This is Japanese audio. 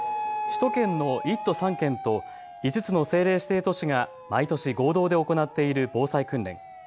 首都圏の１都３県と５つの政令指定都市が毎年、合同で行っている防災訓練。